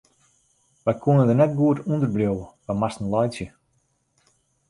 Wy koene der net goed ûnder bliuwe, wy moasten laitsje.